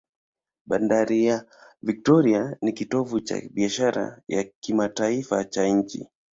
Bandari ya Victoria ni kitovu cha biashara ya kimataifa cha nchi.